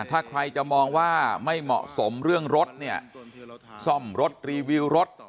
ถ้าใครจะมองว่าไม่เหมาะสมเรื่องรถเนี่ยซ่อมรถรีวิวรถ